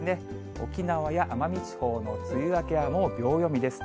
沖縄や奄美地方の梅雨明けはもう秒読みです。